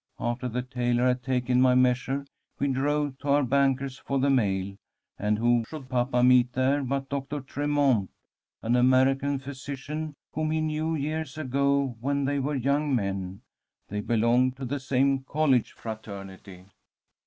After the tailor had taken my measure, we drove to our banker's for the mail, and who should papa meet there but Doctor Tremont, an American physician whom he knew years ago when they were young men. They belonged to the same college fraternity.